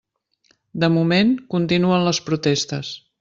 De moment, continuen les protestes.